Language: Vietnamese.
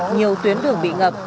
nhiều tuyến đường bị ngập